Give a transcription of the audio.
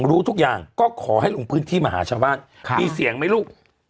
รู้ทุกอย่างก็ขอให้ลงพื้นที่มาหาชาวบ้านมีเสียงไหมลูก